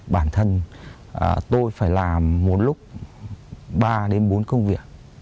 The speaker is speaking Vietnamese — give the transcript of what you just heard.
bản thân tôi phải làm một lúc ba đến bốn công việc